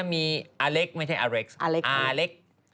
มีอาเล็กซ์ไม่ใช่เอร็กซ์อาเล็กซ์